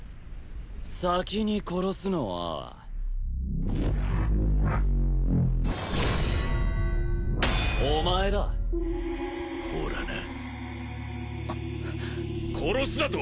先に殺すのはお前だほらな殺すだと？